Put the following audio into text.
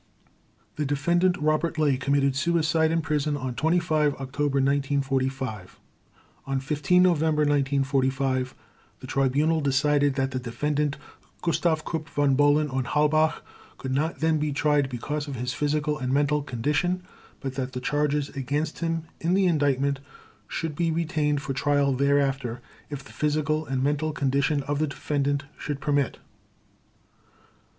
The Defendant Robert Ley committed suicide in prison on 25 October 1945. On 15 November 1945 the Tribunal decided that the Defendant Gustav Krupp von Bohlen und Halbach could not then be tried because of his physical and mental condition, but that the charges against him in the Indictment should be retained for trial thereafter, if the physical and mental condition of the defendant should permit.